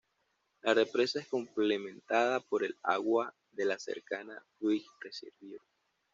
La represa es complementada por el agua de la cercana Fluid Reservoir.